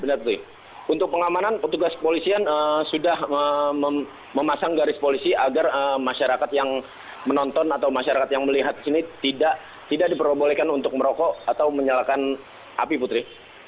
benar putri untuk pengamanan petugas polisian sudah memasang garis polisi agar masyarakat yang menonton atau masyarakat yang melihat sini tidak diperbolehkan untuk merokok atau menyalakan api putri